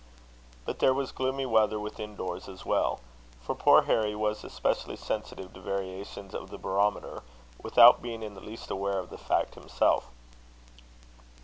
But there was gloomy weather within doors as well; for poor Harry was especially sensitive to variations of the barometer, without being in the least aware of the fact himself.